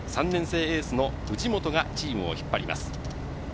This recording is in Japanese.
３年生エースの藤本がチームを引っ張ります。